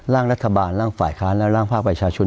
ร่างรัฐบาลร่างฝ่ายค้านและร่างภาคประชาชน